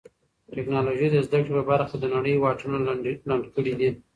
ټیکنالوژي د زده کړې په برخه کې د نړۍ واټنونه لنډ کړي دي.